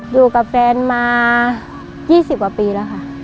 อยู่กับแฟนมา๒๐กว่าปีแล้วค่ะ